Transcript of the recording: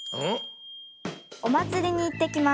「お祭りに行ってきます。